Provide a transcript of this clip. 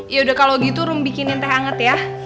yaudah kalo gitu rum bikinin teh anget ya